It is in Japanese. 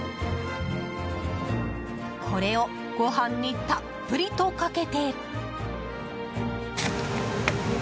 これをご飯にたっぷりとかけて。